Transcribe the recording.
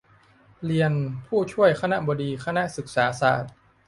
เรียน ผู้ช่วยคณบดีคณะศึกษาศาสตร์